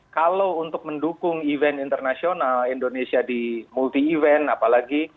kalau untuk mendukung event internasional indonesia di multi event apalagi